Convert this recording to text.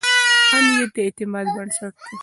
ښه نیت د اعتماد بنسټ دی.